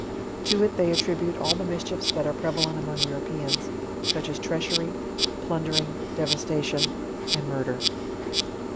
To it they attribute all the mischiefs that .are prevalent among Europeans, such as treachery, plundering, devastation, and murcier.